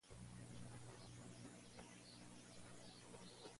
Al hacerlo ella regresa hasta su cama con Riley.